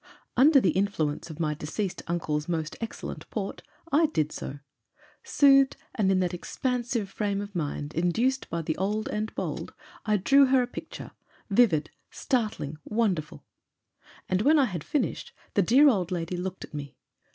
Under the influence of my deceased uncle's most excellent port I did so. Soothed and in that expansive frame of mind induced by the old and bold, I drew her a picture — ^vivid, startling, wonderful. And when I had finished, the dear old lady looked at me.